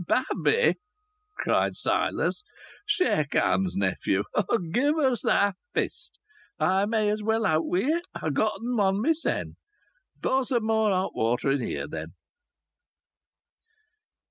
"Babby!" cried Silas. "Shake hands, nephew. Give us thy fist. I may as well out wi' it. I've gotten one mysen. Pour some more hot water in here, then."